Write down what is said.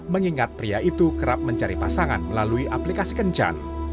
mengingat pria itu kerap mencari pasangan melalui aplikasi kencan